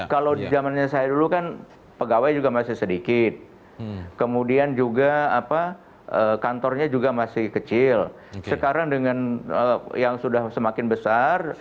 kalau zamannya saya dulu kan pegawai juga masih sedikit kemudian juga kantornya juga masih kecil sekarang dengan yang sudah semakin besar